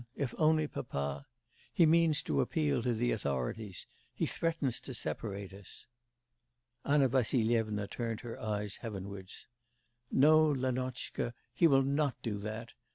if only papa. He means to appeal to the authorities; he threatens to separate us.' Anna Vassilyevna turned her eyes heavenwards. 'No, Lenotchka, he will not do that.